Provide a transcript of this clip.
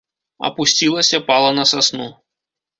Апусцілася, пала на сасну.